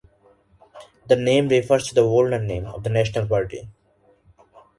The name refers to the older name of the National Party.